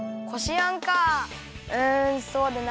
うんそうだな。